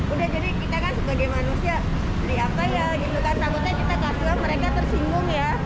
udah jadi kita kan sebagai manusia beli apa ya di belakang samudaya kita kasih uang mereka tersinggung ya